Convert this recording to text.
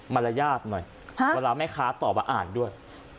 รยาทหน่อยเวลาแม่ค้าตอบมาอ่านด้วย